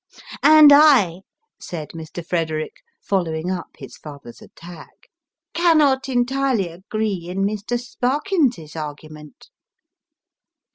"And I," said Mr. Frederick, following up his father's attack, " cannot entirely agree in Mr. Sparkins's argument."